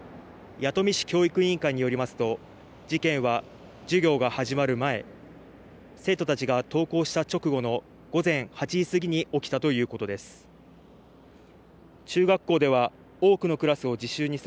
弥富市教育委員会によりますと事件は、授業が始まる前生徒たちが登校した直後の午前８時過ぎに起きたということです。